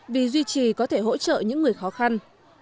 vì duy trì có thể hỗ trợ những người khó khăn